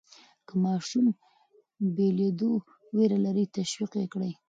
که ماشوم بېلېدو وېره لري، تشویق یې کړئ.